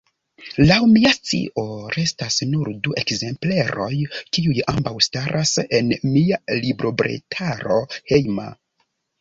Laŭ mia scio restas nur du ekzempleroj, kiuj ambaŭ staras en mia librobretaro hejma.